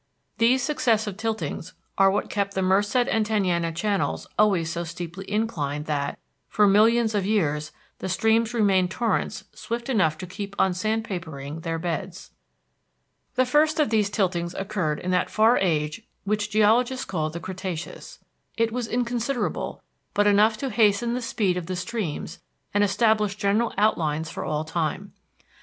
These successive tiltings are what kept the Merced and Tenaya channels always so steeply inclined that, for millions of years, the streams remained torrents swift enough to keep on sandpapering their beds. The first of these tiltings occurred in that far age which geologists call the Cretaceous. It was inconsiderable, but enough to hasten the speed of the streams and establish general outlines for all time.